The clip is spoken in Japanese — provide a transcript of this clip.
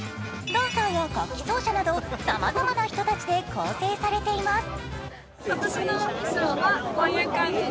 ダンサーや楽器奏者などさまざまな人たちで構成されています。